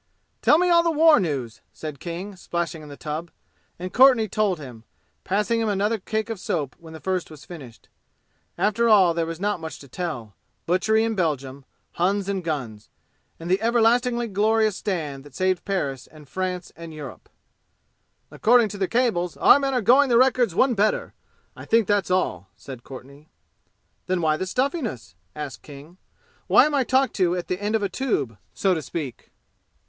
"Tell me all the war news!" said King, splashing in the tub. And Courtenay told him, passing him another cake of soap when the first was finished. After all there was not much to tell butchery in Belgium Huns and guns and the everlastingly glorious stand that saved Paris and France and Europe. "According to the cables our men are going the records one better. I think that's all," said Courtenay. "Then why the stuffiness?" asked King. "Why am I talked to at the end of a tube, so to speak?"